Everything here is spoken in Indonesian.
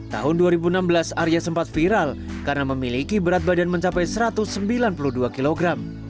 tahun dua ribu enam belas arya sempat viral karena memiliki berat badan mencapai satu ratus sembilan puluh dua kg